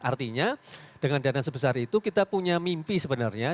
artinya dengan dana sebesar itu kita punya mimpi sebenarnya